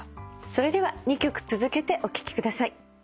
それでは２曲続けてお聞きください。